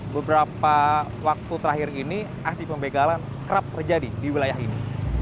beberapa waktu terakhir ini aksi pembegalan kerap terjadi di wilayah ini